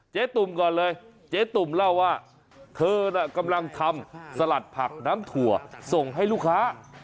ตุ่มก่อนเลยเจ๊ตุ่มเล่าว่าเธอน่ะกำลังทำสลัดผักน้ำถั่วส่งให้ลูกค้า